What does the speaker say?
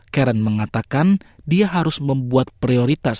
karen mengatakan dia harus membuat prioritas